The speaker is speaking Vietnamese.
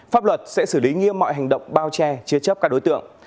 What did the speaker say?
pháp luật sẽ xử lý nghiêm mọi hành động bao che chế chấp các đối tượng